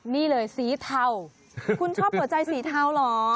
นี่เลยสีเทาคุณชอบหัวใจสีเทาเหรอ